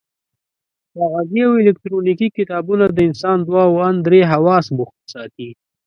کاغذي او الکترونیکي کتابونه د انسان دوه او ان درې حواس بوخت ساتي.